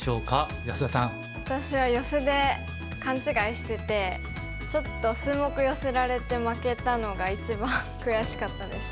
私はヨセで勘違いしててちょっと数目ヨセられて負けたのが一番悔しかったです。